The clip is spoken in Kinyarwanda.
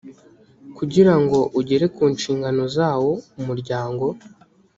kugira ngo ugere ku nshingano zawo umuryango